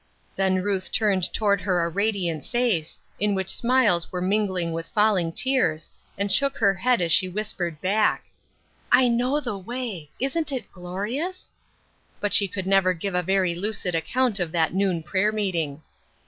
Then Ruth turned toward her a radiant face, in which smiles were mingling with falling tears, and shook her head as she whispered back :—" I know the way. Isn't it glorious ?" But she could never give a very lucid account of that noon prayer meeting.